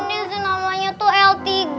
ini sih namanya tuh l tiga